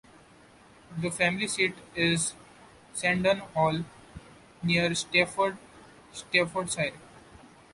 The family seat is Sandon Hall, near Stafford, Staffordshire.